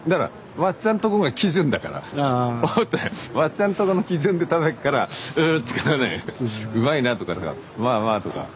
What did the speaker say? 松ちゃんとこの基準で食べるからうん？とかねうまいなとかさまあまあとか。